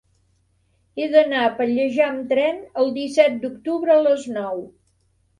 He d'anar a Pallejà amb tren el disset d'octubre a les nou.